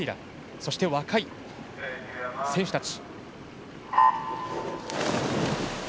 そして、若い選手たち。